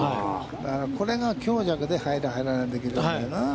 これが強弱で入る、入らないようになるんだよな。